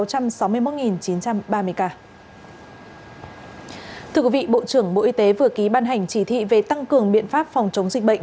thưa quý vị bộ trưởng bộ y tế vừa ký ban hành chỉ thị về tăng cường biện pháp phòng chống dịch bệnh